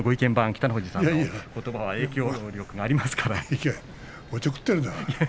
北の富士さんのことばは影響力がありますから。